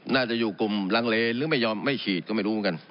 น่าจะอยู่กลุ่มลังเลหรือไม่ยอมไม่ฉีดก็ไม่รู้เหมือนกัน